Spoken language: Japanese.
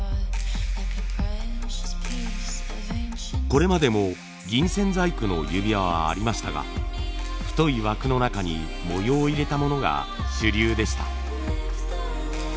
これまでも銀線細工の指輪はありましたが太い枠の中に模様を入れたものが主流でした。